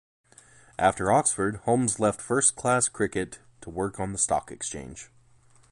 After Oxford, Holmes left first-class cricket to work on the Stock Exchange.